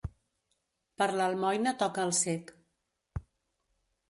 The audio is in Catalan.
Per l'almoina toca el cec.